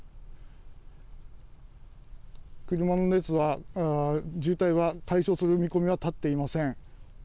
車の列は渋滞は解消する見込みは立っていません。